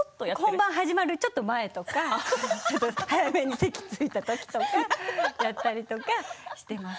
本番始まるちょっと前とか早めに席に着いた時とかやっています。